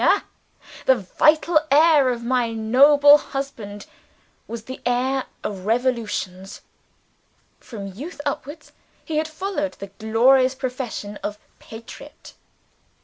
Ah! the vital air of my noble husband was the air of revolutions. From his youth upwards he had followed the glorious profession of Patriot.